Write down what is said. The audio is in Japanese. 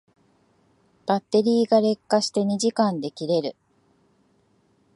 バッテリーが劣化して二時間で切れる